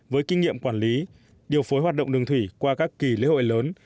với kinh nghiệm quản lý điều phối hoạt động đường thủy qua các kỳ lễ hội lớn